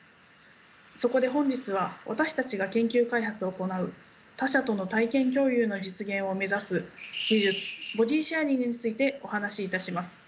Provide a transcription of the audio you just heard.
そこで本日は私たちが研究開発を行う他者との体験共有の実現を目指す技術ボディシェアリングについてお話しいたします。